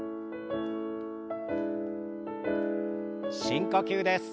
深呼吸です。